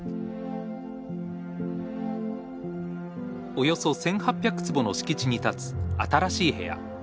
およそ１，８００坪の敷地に立つ新しい部屋。